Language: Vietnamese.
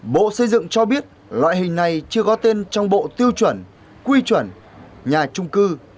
bộ xây dựng cho biết loại hình này chưa có tên trong bộ tiêu chuẩn quy chuẩn nhà trung cư